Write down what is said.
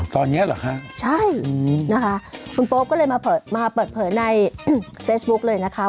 ตอนนี้เหรอคะใช่นะคะคุณโป๊ปก็เลยมาเปิดมาเปิดเผยในเฟซบุ๊กเลยนะคะ